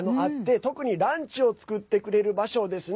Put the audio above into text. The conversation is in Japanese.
特にランチを作ってくれる場所ですね。